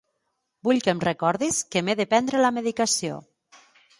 Vull que em recordis que m'he de prendre la medicació.